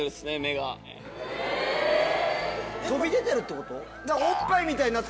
飛び出てるってこと？